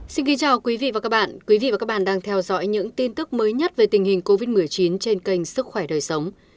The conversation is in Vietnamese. xin kính chào quý vị và các bạn quý vị và các bạn đang theo dõi những tin tức mới nhất về tình hình covid một mươi chín trên kênh sức khỏe đời sống